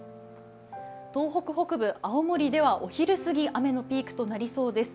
東北北部、青森ではお昼過ぎ、雨のピークとなりそうです。